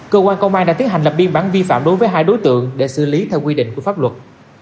cơ quan công an đã tiến hành lập biên bản vi phạm đối với hai đối tượng để xử lý theo quy định của pháp luật